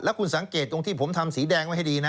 คุณสังเกตตรงที่ผมทำสีแดงไว้ให้ดีนะ